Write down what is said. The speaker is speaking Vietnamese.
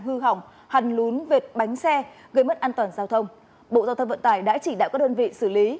hư hỏng hằn lún vệt bánh xe gây mất an toàn giao thông bộ giao thông vận tải đã chỉ đạo các đơn vị xử lý